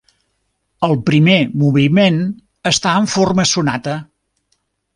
El primer moviment està en forma sonata.